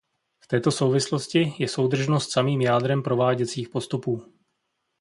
V této souvislosti je soudržnost samým jádrem prováděcích postupů.